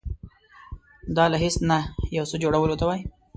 دا له هیڅ نه یو څه جوړولو ته وایي.